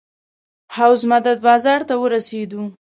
حوض مدد بازار ته ورسېدو.